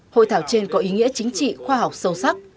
hội thảo trên có ý nghĩa chính trị khoa học sâu sắc